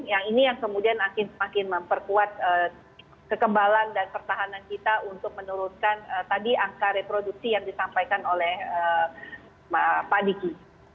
yang ini yang kemudian akan semakin memperkuat kekebalan dan pertahanan kita untuk menurunkan tadi angka reproduksi yang disampaikan oleh pak diki